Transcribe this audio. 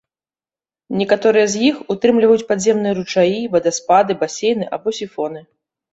Некаторыя з іх ўтрымліваюць падземныя ручаі, вадаспады, басейны або сіфоны.